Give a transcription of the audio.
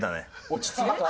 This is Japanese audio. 落ち着いた？